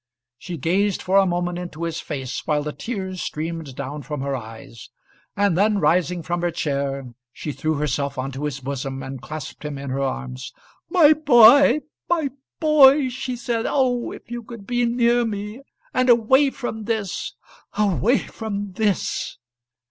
She gazed for a moment into his face while the tears streamed down from her eyes, and then rising from her chair, she threw herself on to his bosom and clasped him in her arms. "My boy! my boy!" she said. "Oh, if you could be near me, and away from this away from this!"